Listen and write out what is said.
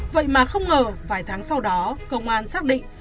vậy mà không ngờ vài tháng sau đó công an xác định